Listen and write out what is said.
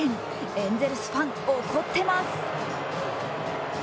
エンゼルスファン、怒ってます。